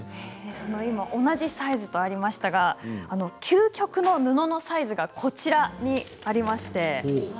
同じサイズがありましたが究極の布のサイズがこちらにあります。